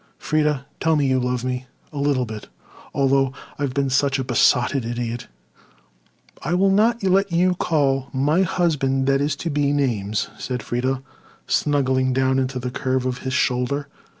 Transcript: Freda, tell me you love me a little bit, although I've been such a besotted idiot." "I will not let you call my husband that is to be names," said Freda, snuggling down into the curve of his shoulder.